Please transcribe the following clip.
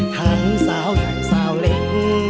ทั้งสาวอย่างสาวเล็ก